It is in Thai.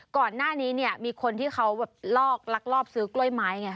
ก่อนหน้านี้เนี่ยมีคนที่เขาแบบลอกลักลอบซื้อกล้วยไม้ไง